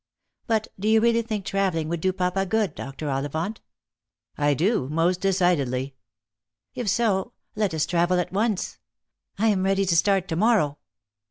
But do you really think travelling would do papa good, Dr. Ollivant?" " I do, most decidedly." "If so, let us travel at once. 1 am ready to start to morrow."